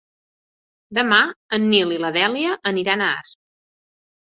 Demà en Nil i na Dèlia aniran a Asp.